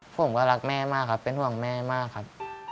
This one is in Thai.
ผมก็รักแม่มากครับเป็นห่วงแม่มากครับ